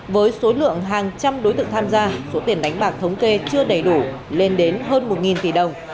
với số lượng hàng trăm đối tượng tham gia số tiền đánh bạc thống kê chưa đầy đủ lên đến hơn một tỷ đồng